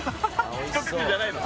ひと口じゃないの？